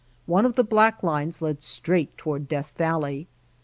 One of the black lines led straight toward Death Valley.